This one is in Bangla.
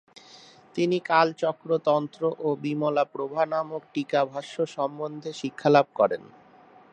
তিনি কালচক্র তন্ত্র ও বিমলপ্রভা নামক টীকাভাষ্য সম্বন্ধে শিক্ষালাভ করেন।